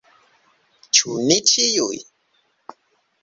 Ĉu ni ĉiuj?